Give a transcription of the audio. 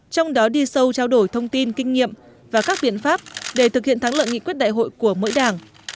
trong đó đi sâu trao đổi thông tin kinh nghiệm và các biện pháp để thực hiện thắng lợi nghị quyết đại hội của mỗi đảng